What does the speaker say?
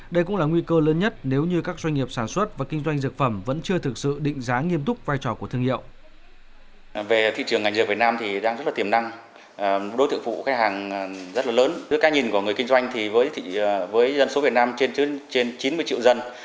đây cũng là nguy cơ lớn nhất nếu như các doanh nghiệp sản xuất và kinh doanh dược phẩm vẫn chưa thực sự định giá nghiêm túc vai trò của thương hiệu